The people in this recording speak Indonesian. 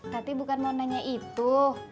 tapi bukan mau nanya itu